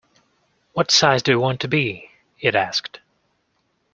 ‘What size do you want to be?’ it asked.